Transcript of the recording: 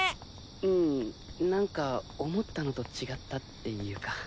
うんなんか思ったのと違ったっていうか。